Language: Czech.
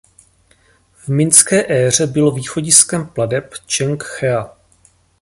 V mingské éře bylo východiskem plateb Čeng Chea.